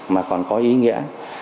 mà còn có ý nghĩa